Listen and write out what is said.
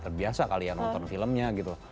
terbiasa kali ya nonton filmnya gitu